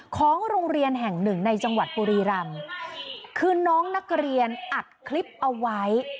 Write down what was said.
ของโรงเรียนแห่งหนึ่งในจังหวัดบุรีรำคือน้องนักเรียนอัดคลิปเอาไว้